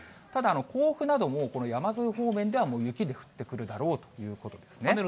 ただ甲府など、もう、この山沿い方面ではもう雪で降ってくるだろうということですね。